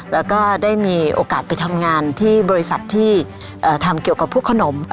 แล้วก็ได้มีโอกาสไปทำงานที่บริษัทที่ทำเกี่ยวกับพวกขนม